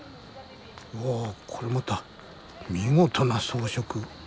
うわこれまた見事な装飾。